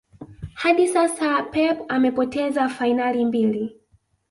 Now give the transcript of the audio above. hadi sasa Pep amepoteza fainali mbili